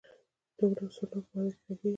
دهل او سرنا په واده کې غږیږي؟